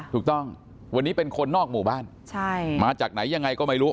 ถูกต้องวันนี้เป็นคนนอกหมู่บ้านมาจากไหนยังไงก็ไม่รู้